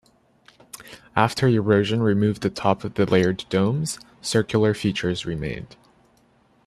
After erosion removed the top of the layered domes, circular features remained.